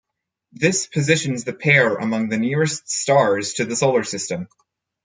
This positions the pair among the nearest stars to the Solar System.